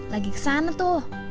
lagi ke sana tuh